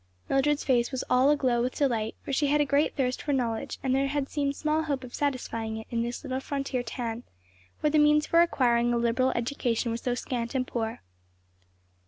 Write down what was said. Mildred's face was all aglow with delight; for she had a great thirst for knowledge, and there had seemed small hope of satisfying it in this little frontier town where the means for acquiring a liberal education were so scant and poor.